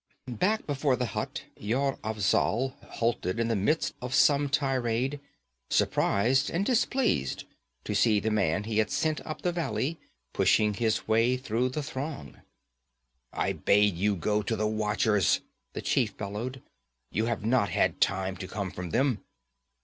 Back before the hut, Yar Afzal halted in the midst of some tirade, surprized and displeased to see the man he had sent up the valley, pushing his way through the throng. 'I bade you go to the watchers!' the chief bellowed. 'You have not had time to come from them.'